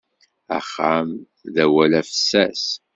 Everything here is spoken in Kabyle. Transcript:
Axxam d awal afessas.